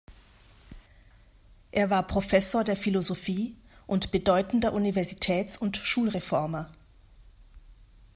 Er war Professor der Philosophie und bedeutender Universitäts- und Schulreformer.